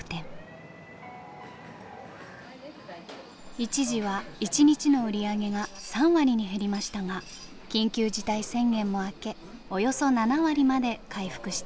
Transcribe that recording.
一時は一日の売り上げが３割に減りましたが緊急事態宣言も明けおよそ７割まで回復しています。